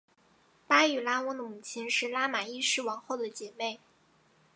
巴育拉翁的母亲是拉玛一世王后的姐妹。